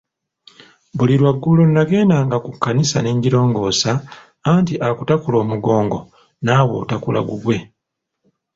Buli lwaggulo nagendanga ku kkanisa ne ngirongoosa anti akutakula omugongo naawe otakula gugwe.